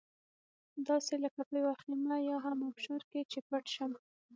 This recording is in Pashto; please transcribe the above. داسې لکه په یوه خېمه یا هم ابشار کې چې پټ شم.